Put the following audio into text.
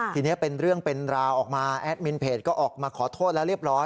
ทีนี้เป็นเรื่องเป็นราวออกมาแอดมินเพจก็ออกมาขอโทษแล้วเรียบร้อย